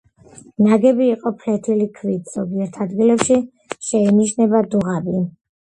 ნაგები იყო ფლეთილი ქვით, ზოგიერთ ადგილებში შეინიშნება დუღაბი.